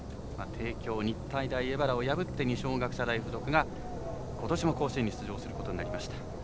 帝京、日体大荏原を破って二松学舎大付属がことしも甲子園に出場することになりました。